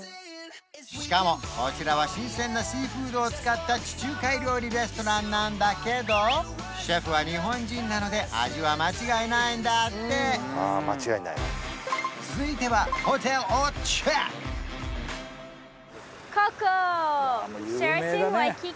しかもこちらは新鮮なシーフードを使った地中海料理レストランなんだけどシェフは日本人なので味は間違いないんだってあ間違いないわ続いてはホテルをチェック！